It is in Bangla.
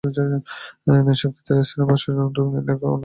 এসব ক্ষেত্রে স্থানীয় প্রশাসন উদ্যোগ নিলে অনেক সমস্যার সমাধান করা সম্ভব হয়।